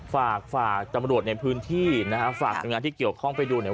ฝากฝากตำรวจในพื้นที่นะฮะฝากหน่วยงานที่เกี่ยวข้องไปดูเนี่ย